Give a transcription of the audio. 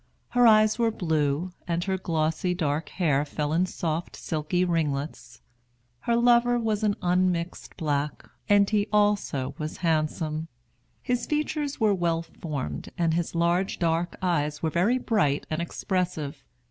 Her eyes were blue, and her glossy dark hair fell in soft, silky ringlets. Her lover was an unmixed black, and he also was handsome. His features were well formed, and his large dark eyes were very bright and expressive.